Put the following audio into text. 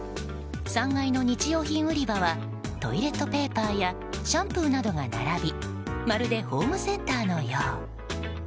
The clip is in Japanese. ３階の日用品売り場はトイレットペーパーやシャンプーなどが並びまるでホームセンターのよう。